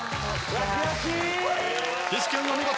岸君お見事。